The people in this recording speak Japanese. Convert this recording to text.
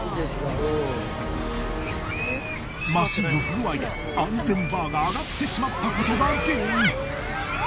マシンの不具合で安全バーが上がってしまったことが原因。